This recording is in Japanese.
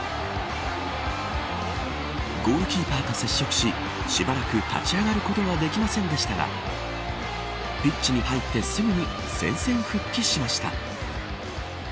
ゴールキーパーと接触ししばらく立ち上がることができませんでしたがピッチに入ってすぐに戦線復帰しました。